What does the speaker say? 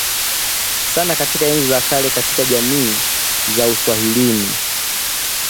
sana katika enzi za kale katika jamii za Uswahilini